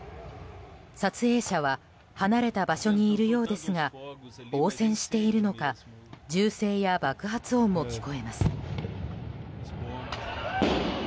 撮影者は離れた場所にいるようですが応戦しているのか銃声や爆発音も聞こえます。